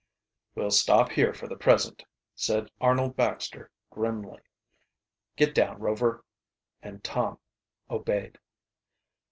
"We'll stop here for the present," said Arnold Baxter grimly. "Get down, Rover," and Tom obeyed.